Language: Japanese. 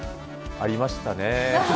ありましたね。